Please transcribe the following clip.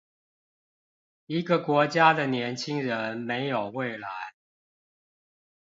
一個國家的年輕人沒有未來